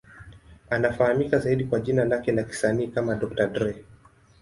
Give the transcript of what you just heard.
Anafahamika zaidi kwa jina lake la kisanii kama Dr. Dre.